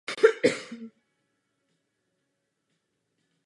Poté zde zůstal.